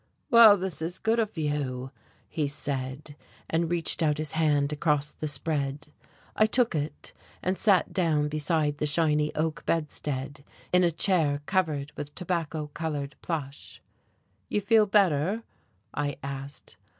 "Well, this is good of you," he said, and reached out his hand across the spread. I took it, and sat down beside the shiny oak bedstead, in a chair covered with tobacco colored plush. "You feel better?" I asked.